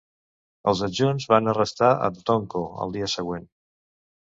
Els adjunts van arrestar en Tomko al dia següent.